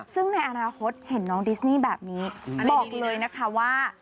ซึ่งในอนาคตเห็นน้องดิสนี่แบบนี้บอกเลยนะคะว่า